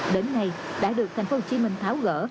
đến nay đã được thành phố hồ chí minh tháo gỡ